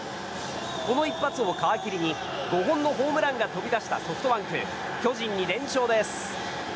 この一発を皮切りに５本のホームランが飛び出したソフトバンク、巨人に連勝です。